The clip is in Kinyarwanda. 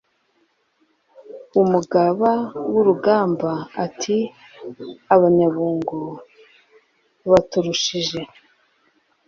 umugaba wurugamba ati"abanyabungo baturushije